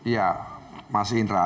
ya mas indra